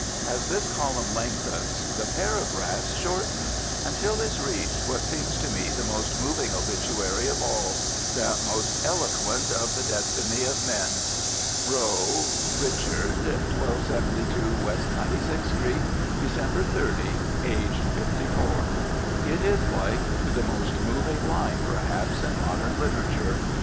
As this column lengthens the paragraphs shorten, until is reached what seems to me the most moving obituary of all, that most eloquent of the destiny of men. "ROE. Richard. 1272 West 96th St., Dec. 30, aged 54." It is like to the most moving line, perhaps, in modern literature.